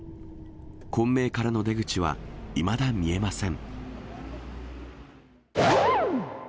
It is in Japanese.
混迷からの出口はいまだ見えません。